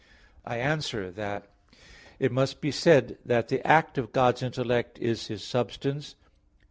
I answer that, It must be said that the act of God's intellect is His substance.